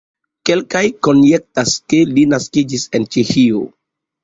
Kelkaj konjektas, ke li naskiĝis en Ĉeĥio.